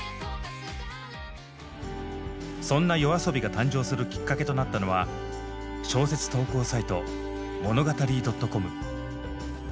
そんなＹＯＡＳＯＢＩが誕生するきっかけとなったのは小説投稿サイト「ｍｏｎｏｇａｔａｒｙ．ｃｏｍ」。